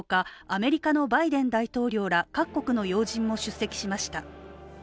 アメリカのバイデン大統領ら各国の要人も出席しました。